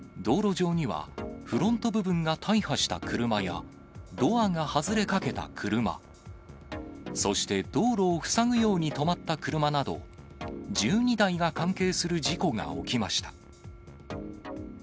道路上には、フロント部分が大破した車やドアが外れかけた車、そして道路を塞ぐように止まった車など、１２台が関係する事故が起きました。